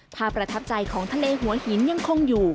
ประทับใจของทะเลหัวหินยังคงอยู่